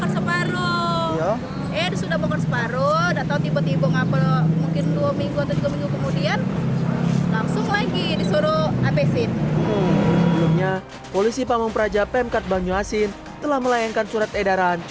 sebelumnya polisi panggung praja pemkat banyu asin telah melayangkan surat edaran